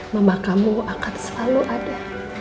mama kamu akan selalu ada